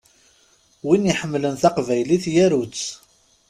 Win iḥemmlen taqbaylit yaru-tt!